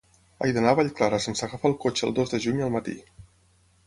He d'anar a Vallclara sense agafar el cotxe el dos de juny al matí.